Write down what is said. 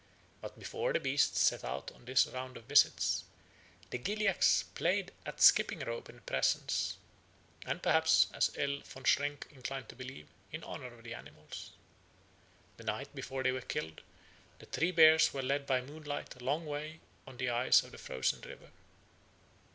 But before the beasts set out on this round of visits, the Gilyaks played at skipping rope in presence, and perhaps, as L. von Schrenck inclined to believe, in honour of the animals. The night before they were killed, the three bears were led by moonlight a long way on the ice of the frozen river.